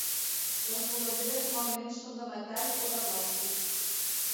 Les volanderes normalment són de metall o de plàstic.